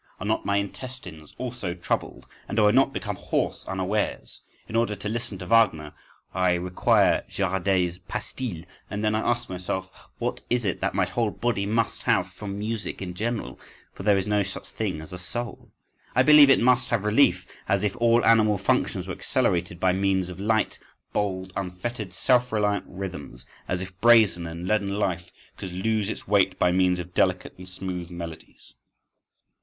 Are not my intestines also troubled? And do I not become hoarse unawares? … in order to listen to Wagner I require Géraudel's Pastilles.… And then I ask myself, what is it that my whole body must have from music in general? for there is no such thing as a soul.… I believe it must have relief: as if all animal functions were accelerated by means of light, bold, unfettered, self reliant rhythms, as if brazen and leaden life could lose its weight by means of delicate and smooth melodies.